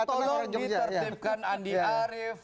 tolong ditertibkan andi arief